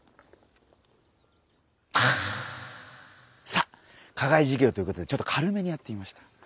さあ課外授業ということでちょっと軽めにやってみました。